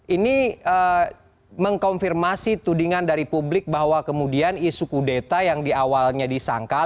ini mengkonfirmasi tudingan dari publik bahwa kemudian isu kudeta yang di awalnya disangkal